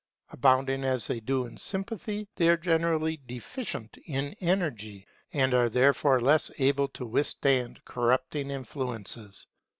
Abounding as they do in sympathy, they are generally deficient in energy, and are therefore less able to withstand corrupting influences.